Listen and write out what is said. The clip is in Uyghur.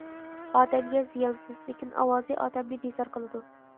ئادەمگە زىيانسىز، لېكىن ئاۋازى ئادەمنى بىزار قىلىدۇ.